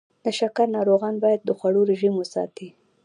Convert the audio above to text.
د شکر ناروغان باید د خوړو رژیم وساتي.